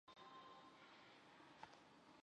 雕纹鱿鱼是一属已灭绝的头足类。